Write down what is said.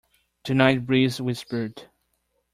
The night breeze whispered.